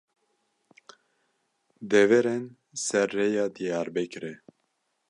Deverên Ser Rêya Diyarbekirê